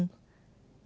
đồng chí lê đức anh